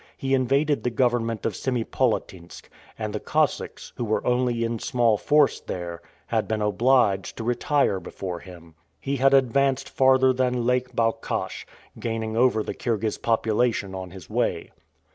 He invaded the government of Semipolatinsk, and the Cossacks, who were only in small force there, had been obliged to retire before him. He had advanced farther than Lake Balkhash, gaining over the Kirghiz population on his way.